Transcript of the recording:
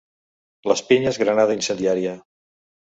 Les pinyes granada incendiària.